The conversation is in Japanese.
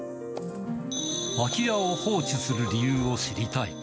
空き家を放置する理由を知りたい。